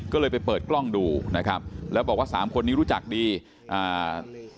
ก็เลยไปเปิดกล้องดูนะครับแล้วบอกว่าสามคนนี้รู้จักดีอ่า